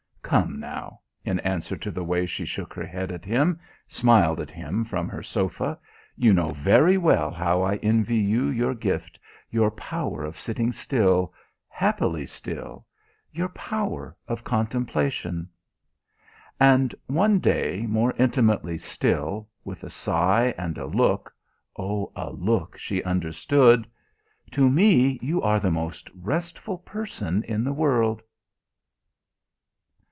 "Come now," in answer to the way she shook her head at him, smiled at him from her sofa, "you know very well how I envy you your gift, your power of sitting still happily still your power of contemplation...." And one day, more intimately still, with a sigh and a look (Oh, a look she understood!), "To me you are the most restful person in the world...."